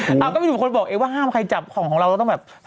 อ้าวก็ยังว่าอยู่คนบอกแอวว่าห้ามใครจับของของเราต้องแบบ